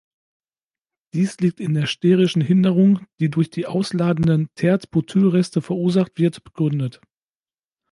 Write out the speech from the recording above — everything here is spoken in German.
Dies liegt in der sterischen Hinderung, die durch die ausladenden "tert"-Butylreste verursacht wird, begründet.